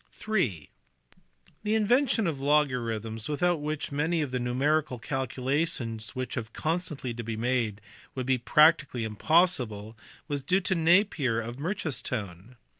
(iii) The invention of logarithms*, without which many of the numerical calculations which have constantly to be made would be practically impossible, was due to Napier of Merchistoun (see below, p.